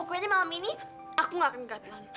pokoknya malam ini aku gak akan ke katilan